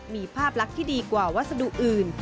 มีภาพลักษณ์ที่ดีกว่าวัสดุอื่น